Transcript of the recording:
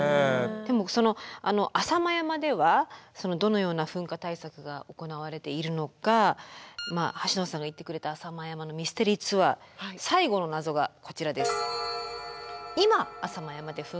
でも浅間山ではどのような噴火対策が行われているのかはしのさんが行ってくれた浅間山のミステリーツアー最後の謎がこちらです。